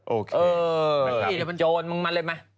โอเคเออโจรมึงมาเลยมั้ย